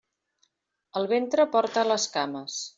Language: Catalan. El ventre porta les cames.